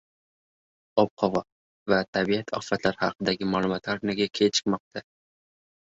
Ob-havo va tabiiy ofatlar haqidagi ma’lumotlar nega kechikmoqda?